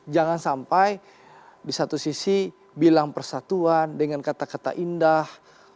jangan sampai di satu sisi bilang persatuan dengan kata kata indah